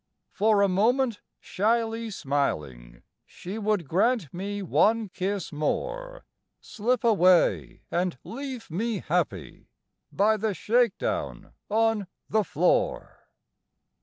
For a moment shyly smiling, She would grant me one kiss more Slip away and leave me happy By the shakedown on the floor.